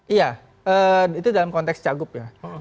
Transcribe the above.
iya itu dalam konteks cagup ya